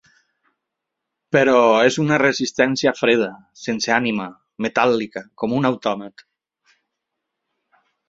Però és una resistència freda, sense ànima, metàl·lica, com un autòmat.